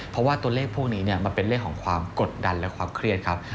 เพราะว่าตัวเลขพวกนี้มันเป็นเรื่องของความกดดันและความเครียดครับ